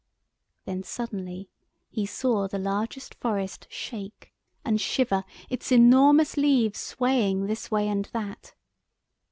Then suddenly he saw the largest forest shake and shiver—its enormous leaves swaying this way and that.